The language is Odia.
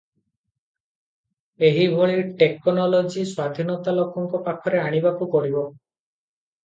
ଏହିଭଳି ଟେକନୋଲୋଜି ସ୍ୱାଧୀନତା ଲୋକଙ୍କ ପାଖରେ ଆଣିବାକୁ ପଡ଼ିବ ।